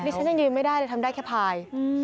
ฉันยังยืนไม่ได้เลยทำได้แค่พาย